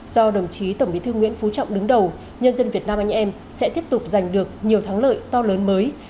do đồng chí tổng bí thư nguyễn phú trọng đứng đầu nhân dân việt nam anh em sẽ tiếp tục giành được nhiều thắng lợi to lớn mới